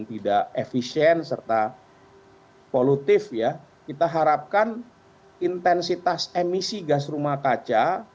tidak efisien serta polutif ya kita harapkan intensitas emisi gas rumah kaca